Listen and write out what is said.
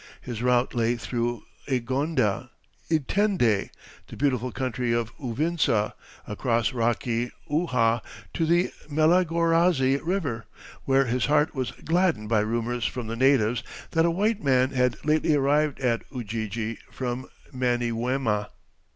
His route lay through Igonda, Itende, the beautiful country of Uvinsa, across rocky Uhha to the Malagarazi River, where his heart was gladdened by rumors from the natives that a white man had lately arrived at Ujiji from Manyuema.